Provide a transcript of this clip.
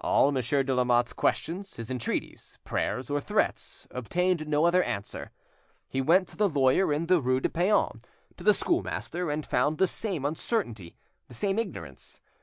All Monsieur de Lamotte's questions, his entreaties, prayers, or threats, obtained no other answer. He went to the lawyer in the rue de Paon, to the schoolmaster, and found the same uncertainty, the same ignorance.